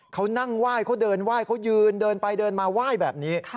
เขานั่งไหว้เขาเดินไหว้เขายืนเดินไปเดินมาไหว้แบบนี้